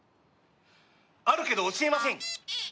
あるけど教えません！